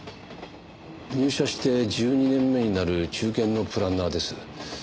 入社して１２年目になる中堅のプランナーです。